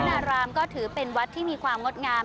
นารามก็ถือเป็นวัดที่มีความงดงาม